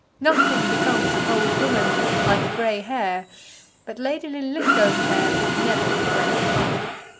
Nothing becomes an old woman like grey hair, but Lady Linlithgow's hair would never be grey.